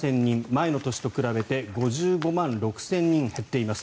前の年と比べて５５万６０００人減っています。